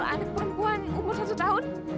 ada perempuan umur satu tahun